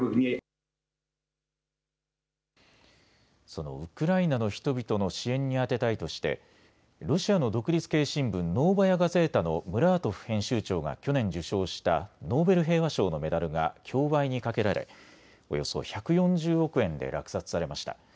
そのウクライナの人々の支援に充てたいとしてロシアの独立系新聞、ノーバヤ・ガゼータのムラートフ編集長が去年、受賞したノーベル平和賞のメダルが競売にかけられおよそ１４０億円で落札されました。